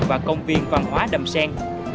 và công viên văn hóa đầm sen